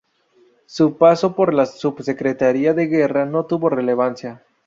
Su paso por la Subsecretaría de Guerra no tuvo relevancia.